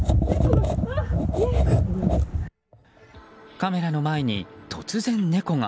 カメラの前に突然、猫が。